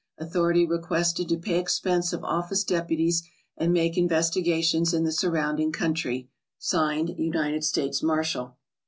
Authority requested to pay expense of office deputies and make investigations in the surrounding country, (Signed) UNITED STATES MARSHAL.